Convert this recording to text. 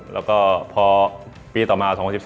แล้วก็พอปีต่อมา๒๐๑๔